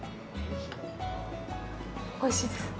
おいしいです？